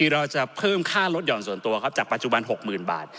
เราจะเพิ่มค่ารถหย่อนส่วนตัวครับจากปัจจุบัน๖๐๐๐บาท